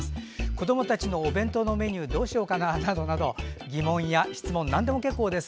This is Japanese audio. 子どもたちのお弁当のメニューどうしようかな？などなど疑問、質問なんでも結構です。